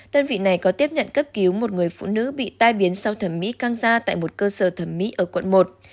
đơn vị này có tiếp nhận cấp cứu một người phụ nữ bị tai biến sau thẩm mỹ căng gia tại một cơ sở thẩm mỹ ở quận một